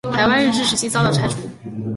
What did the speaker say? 台湾日治时期遭到拆除。